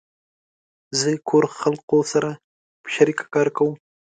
زه کور خلقو سره په شریکه کار کوم